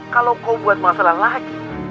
kalau kau buat masalah lagi